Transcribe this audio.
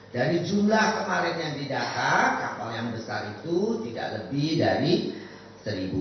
dari jumlah kemarin yang didasar kapal yang besar itu tidak lebih dari seribu